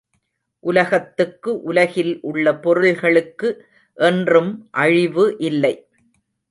உலகத்துக்கு உலகில் உள்ள பொருள்களுக்கு என்றும் அழிவு இல்லை.